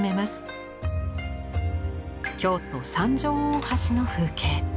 京都・三条大橋の風景。